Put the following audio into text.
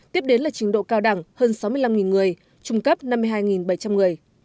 tiếp đến là trình độ cao đẳng hơn sáu mươi năm người trung cấp năm mươi hai bảy trăm linh người